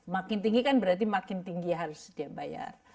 makin tinggi kan berarti makin tinggi harus dia bayar